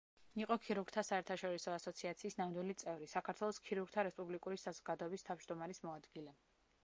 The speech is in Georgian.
იყო ქირურგთა საერთაშორისო ასოციაციის ნამდვილი წევრი, საქართველოს ქირურგთა რესპუბლიკური საზოგადოების თავმჯდომარის მოადგილე.